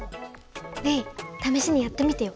レイためしにやってみてよ。